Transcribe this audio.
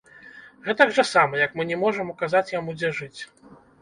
Гэтак жа сама, як мы не можам указаць яму, дзе жыць.